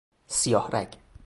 سیاه رگ